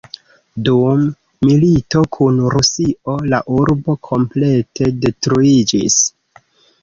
Dum milito kun Rusio, la urbo komplete detruiĝis.